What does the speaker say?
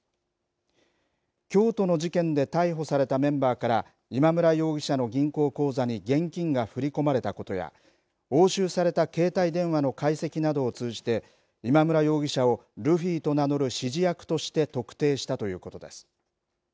京都の事件で逮捕されたメンバーから今村容疑者の銀行口座に現金が振り込まれたことや押収された携帯電話の解析などを通じて今村容疑者をルフィと名乗る指示役として特定したということです。